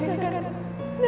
na'ju udah tahu bang alis